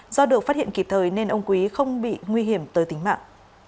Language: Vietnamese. do được phát hiện kịp thời nên ông quý không bị nguy hiểm tới tính mạng